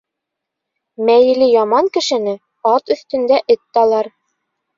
Мәйеле яман кешене ат өҫтөндә эт талар.